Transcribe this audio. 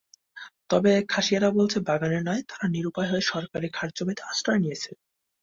তবে খাসিয়ারা বলছে, বাগানের নয়, তারা নিরূপায় হয়ে সরকারি খাসজমিতে আশ্রয় নিয়েছে।